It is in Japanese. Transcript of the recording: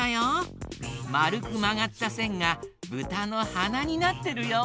まるくまがったせんがブタのはなになってるよ。